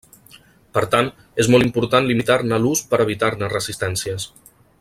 Per tant, és molt important limitar-ne l'ús per evitar-ne resistències.